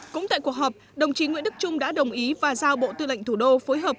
cũng tại cuộc họp đồng chí nguyễn đức trung đã đồng ý và giao bộ tư lệnh thủ đô phối hợp